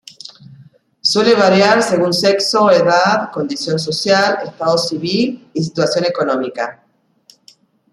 Suele variar según sexo, edad, condición social, estado civil y situación económica.